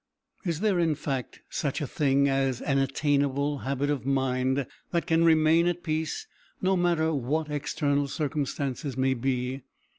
Is there in fact such a thing as an attainable habit of mind that can remain at peace, no matter what external circumstances may be?